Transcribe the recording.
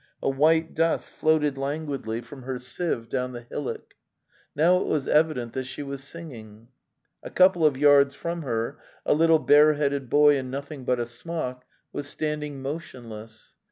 A white dust floated languidly from her sieve down the hillock. Now it was evident that she was singing. A couple of yards from her a little bare headed boy in nothing but a smock was stand ing motionless.